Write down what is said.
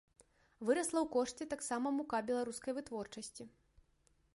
Вырасла ў кошце таксама мука беларускай вытворчасці.